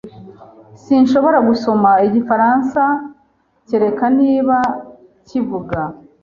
Sinshobora gusoma Igifaransa, kereka niba kivuga.